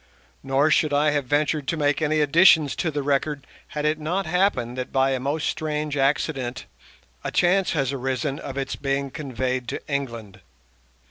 Nor should I have ventured to make any additions to the record had it not happened that by a most strange accident a chance has arisen of its being conveyed to England.